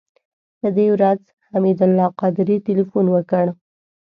په دې ورځ حمید الله قادري تیلفون وکړ.